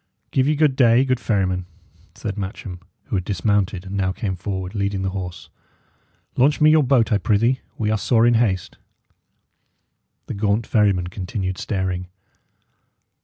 "Give ye good day, good ferryman," said Matcham, who had dismounted, and now came forward, leading the horse. "Launch me your boat, I prithee; we are sore in haste." The gaunt ferryman continued staring.